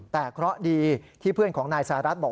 แต่เคราะห์ดีที่เพื่อนของนายสหรัฐบอก